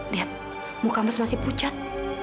net muka mas masih pucat